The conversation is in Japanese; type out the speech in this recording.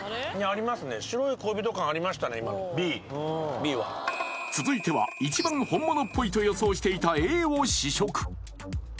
Ｂは続いては一番本物っぽいと予想していたＡを試食